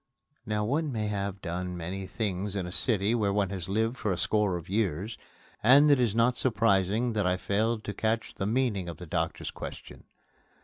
Now one may have done many things in a city where he has lived for a score of years, and it is not surprising that I failed to catch the meaning of the doctor's question.